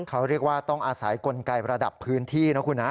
เขาเรียกว่าต้องอาศัยกลไกระดับพื้นที่นะคุณฮะ